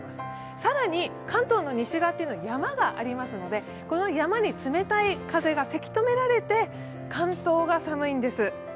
さらに関東の西側というのは山がありますので、この冷たい風がせき止められて関東が寒いんです。